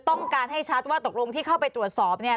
ต้องการให้ชัดว่าตกลงที่เข้าไปตรวจสอบเนี่ย